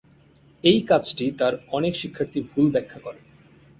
এই কাজটি তাঁর অনেক শিক্ষার্থী ভুল ব্যাখ্যা করেন।